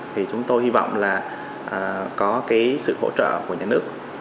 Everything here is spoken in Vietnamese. thì chúng tôi hy vọng là có cái sự hỗ trợ của nhà nước